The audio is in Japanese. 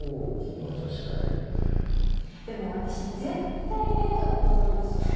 でも私絶対デートだと思うんですよね。